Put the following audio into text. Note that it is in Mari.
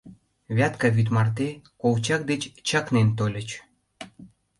Вятка вӱд марте Колчак деч чакнен тольыч.